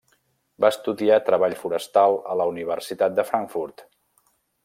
Va estudiar treball forestal a la Universitat de Frankfurt.